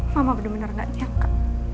mama bener bener gak nyangka